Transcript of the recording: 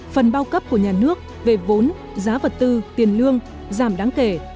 phần bao cấp của nhà nước về vốn giá vật tư tiền lương giảm đáng kể